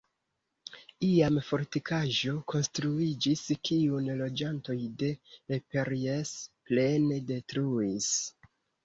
Iam fortikaĵo konstruiĝis, kiun loĝantoj de Eperjes plene detruis.